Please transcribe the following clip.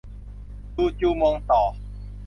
ดูจูมงต่อ